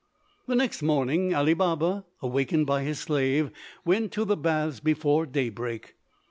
The next morning Ali Baba, awakened by his slave, went to the baths before daybreak.